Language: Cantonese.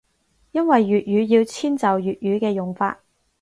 因為粵語要遷就粵語嘅用法